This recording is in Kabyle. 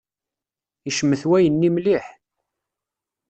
Icmet wayenni mliḥ.